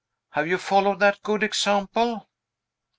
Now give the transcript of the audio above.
Have you followed that good example?"